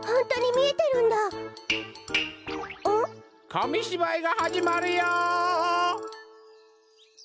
かみしばいがはじまるよ！